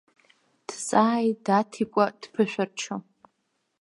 Дҵааит Даҭикәа дԥышәырччо.